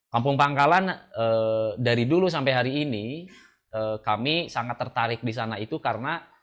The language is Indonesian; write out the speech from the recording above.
kampung pangkalan dari dulu sampai hari ini kami sangat tertarik di sana itu karena